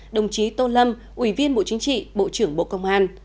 đồng chí tô lâm ủy viên bộ chính trị bộ trưởng bộ công an